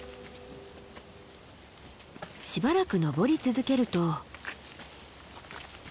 しばらく登り続けると。